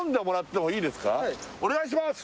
はいお願いします